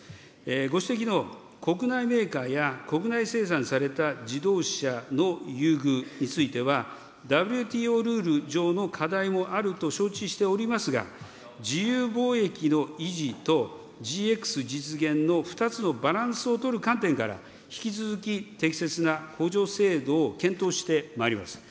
ご指摘の国内メーカーや国内生産された自動車の優遇については、ＷＴＯルール上の課題もあると承知しておりますが、自由貿易の維持と、ＧＸ実現の２つのバランスを取る観点から、引き続き、適切な補助制度を検討してまいります。